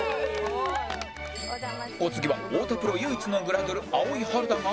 お次は太田プロ唯一のグラドル青井春だが